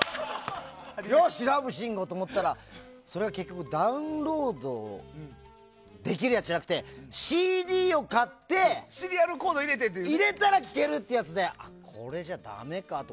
よし、ラブシンゴと思ったらダウンロードできるやつじゃなくてＣＤを買ってシリアルコードを入れたら聞けるっていうやつでこれじゃだめかって。